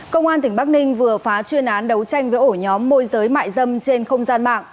công an tỉnh bắc ninh vừa phá chuyên án đấu tranh với ổ nhóm môi giới mại dâm trên không gian mạng